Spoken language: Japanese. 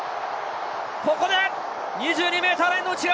ここで２２ｍラインの内側！